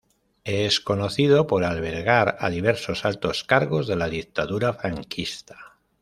Es conocido por albergar a diversos altos cargos de la dictadura franquista.